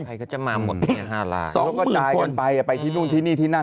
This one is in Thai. ใครก็จะมาหมดเนี่ยห้าล้านเขาก็จ่ายกันไปไปที่นู่นที่นี่ที่นั่น